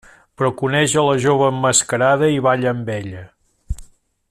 Però coneix a la jove emmascarada i balla amb ella.